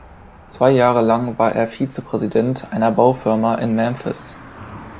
Zwei Jahre lang war er Vizepräsident einer Baufirma in Memphis.